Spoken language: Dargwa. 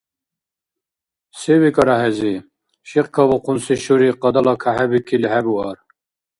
Се викӀара хӀези? Шикькабухъунси шури къадала кахӀебикили хӀебуар.